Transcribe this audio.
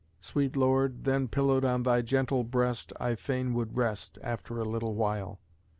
Sweet Lord, then pillowed on thy gentle breast, I fain would rest, After a little while.